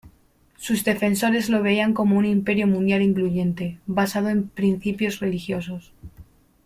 Sus defensores lo veían como un imperio mundial incluyente, basado en principios religiosos.